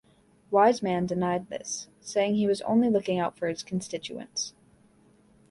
Wiseman denied this, saying he was only looking out for his constituents.